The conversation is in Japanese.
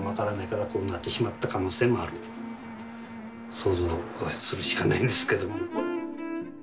想像するしかないんですけども。